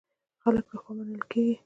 خلکو له خوا منل کېږي.